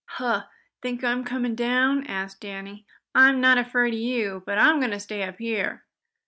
"Huh! Think I'm coming down?" asked Danny. "I'm not afraid of you, but I'm going to stay up here."